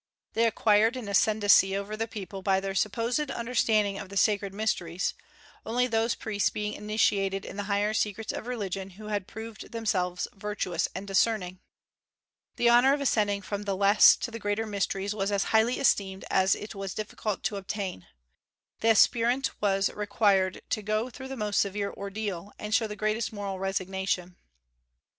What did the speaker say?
They acquired an ascendency over the people by their supposed understanding of the sacred mysteries, only those priests being initiated in the higher secrets of religion who had proved themselves virtuous and discerning. "The honor of ascending from the less to the greater mysteries was as highly esteemed as it was difficult to obtain. The aspirant was required to go through the most severe ordeal, and show the greatest moral resignation."